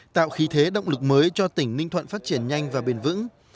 tạo khí thế động lực mới cho tỉnh ninh thuận phát triển nhanh và bền vững